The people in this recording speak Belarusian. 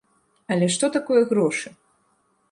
Але што такое грошы?